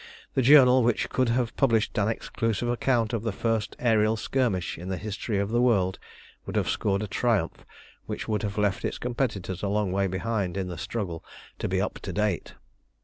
The journal which could have published an exclusive account of the first aërial skirmish in the history of the world would have scored a triumph which would have left its competitors a long way behind in the struggle to be "up to date."